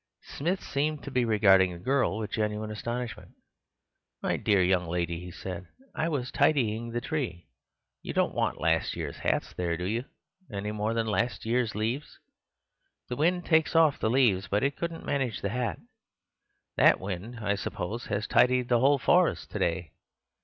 Smith seemed to be regarding the girl with genuine astonishment. "My dear young lady," he said, "I was tidying the tree. You don't want last year's hats there, do you, any more than last year's leaves? The wind takes off the leaves, but it couldn't manage the hat; that wind, I suppose, has tidied whole forests to day.